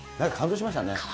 感動しましたね。